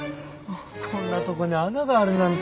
こんなとこに穴があるなんて。